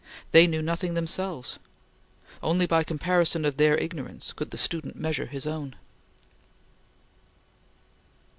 They knew nothing themselves. Only by comparison of their ignorance could the student measure his own.